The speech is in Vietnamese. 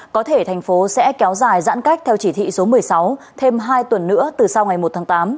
có thể thành phố sẽ kéo dài giãn cách theo chỉ thị số một mươi sáu thêm hai tuần nữa từ sau ngày một tháng tám